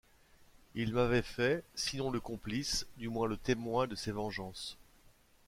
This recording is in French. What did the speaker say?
Il m’avait fait, sinon le complice, du moins le témoin de ses vengeances !